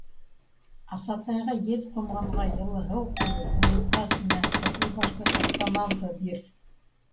Аса-тайға еҙ ҡомғанға йылы һыу ҡойоп, еҙ тас менән ҡыҙыл башлы таҫтамалды бир.